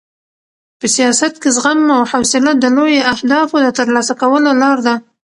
په سیاست کې زغم او حوصله د لویو اهدافو د ترلاسه کولو لار ده.